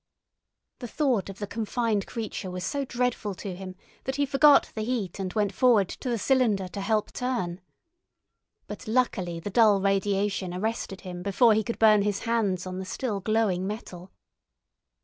The thought of the confined creature was so dreadful to him that he forgot the heat and went forward to the cylinder to help turn. But luckily the dull radiation arrested him before he could burn his hands on the still glowing metal.